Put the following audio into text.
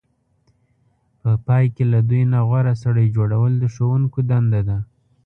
په پای کې له دوی نه غوره سړی جوړول د ښوونکو دنده ده.